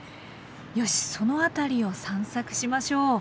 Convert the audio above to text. よしその辺りを散策しましょう。